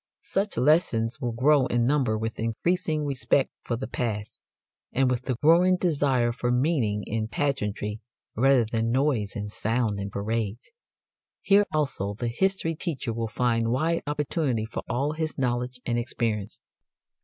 Such lessons will grow in number with increasing respect for the past, and with the growing desire for meaning in pageantry, rather than noise and sound in parades. Here also the history teacher will find wide opportunity for all his knowledge and experience.